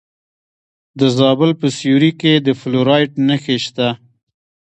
د زابل په سیوري کې د فلورایټ نښې شته.